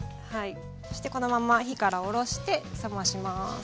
そしてこのまんま火から下ろして冷まします。